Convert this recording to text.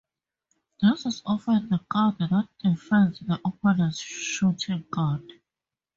This is often the guard that defends the opponents shooting guard.